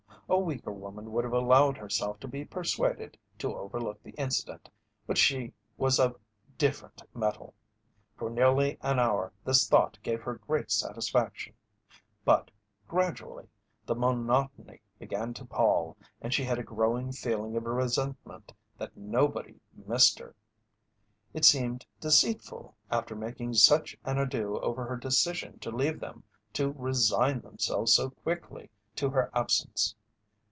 A weaker woman would have allowed herself to be persuaded to overlook the incident, but she was of different metal. For nearly an hour this thought gave her great satisfaction, but, gradually, the monotony began to pall and she had a growing feeling of resentment that nobody missed her. It seemed deceitful, after making such an ado over her decision to leave them, to resign themselves so quickly to her absence.